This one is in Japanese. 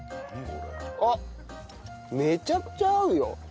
あっめちゃくちゃ合うよ。